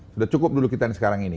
sudah cukup dulu kita sekarang ini